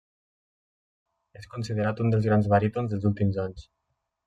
És considerat un dels grans barítons dels últims anys.